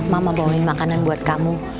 mama bawangin makanan buat kamu